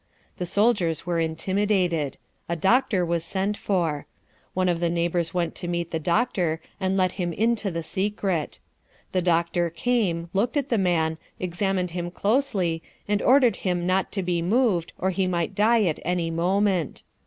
The soldiers were intimidated. A doctor was sent for. One of the neighbors went to meet the doctor, and let him into the secret. The doctor came, looked at the man, examined him closely, and ordered him not to be moved or he might die at any moment.